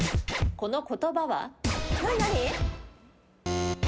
この言葉は？